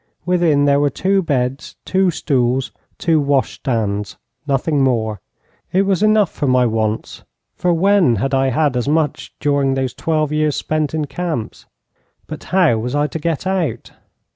Within there were two beds, two stools, two washstands nothing more. It was enough for my wants, for when had I had as much during those twelve years spent in camps? But how was I to get out?